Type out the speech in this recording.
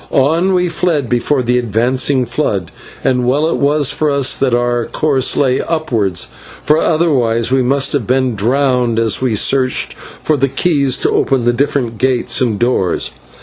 On we fled before the advancing flood, and well was it for us that our course lay upwards, for otherwise we must have been drowned as we searched for the keys to open the different gates and doors.